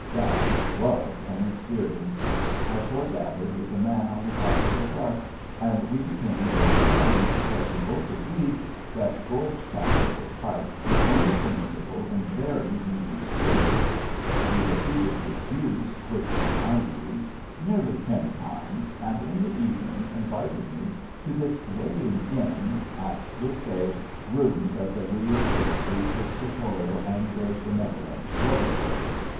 That was an experience,. I foregathered with a man on the top of a T3us, and we became great friends because we both agreed that gorge tackle for pike was only per missible in very weedy streams. He repeated hi& views, which were my views, nearly ten times, and in the evening invited me to this weighing in, at, we ^11 say, rooms of the Lea and Chertsey Pisca torial Anglers' Benevolent Brotherhood.